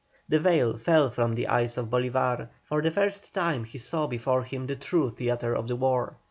The veil fell from the eyes of Bolívar; for the first time he saw before him the true theatre of the war.